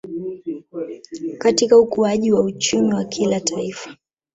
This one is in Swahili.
Katika ukuaji wa uchumi wa kila Taifa